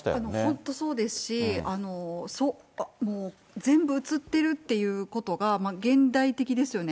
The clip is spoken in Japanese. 本当、そうですし、全部映ってるっていうことが、現代的ですよね。